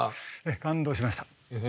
感動しました。